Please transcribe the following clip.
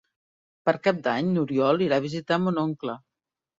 Per Cap d'Any n'Oriol irà a visitar mon oncle.